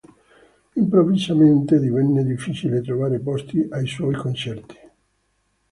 Improvvisamente divenne difficile trovare posti ai suoi concerti.